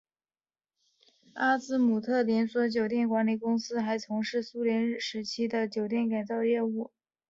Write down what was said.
阿兹姆特连锁酒店管理公司还从事苏联时期的酒店改造业务。